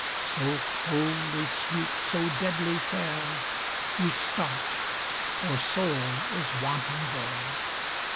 So coldly sweet, so deadly fair, We start, for soul is wanting there.